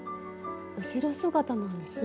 後ろ姿なんですよ。